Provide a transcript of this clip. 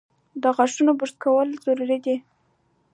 د غاښونو برس کول ضروري دي۔